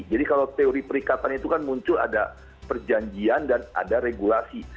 jadi kalau teori perikatan itu kan muncul ada perjanjian dan ada regulasi